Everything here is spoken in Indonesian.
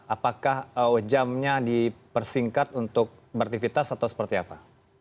apakah jamnya dipersingkat untuk beraktivitas atau seperti apa